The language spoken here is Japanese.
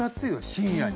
深夜に。